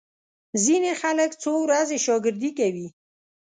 ځینې خلک څو ورځې شاګردي کوي.